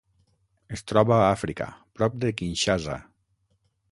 Es troba a Àfrica: prop de Kinshasa.